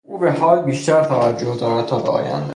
او به حال بیشتر توجه دارد تابه آینده.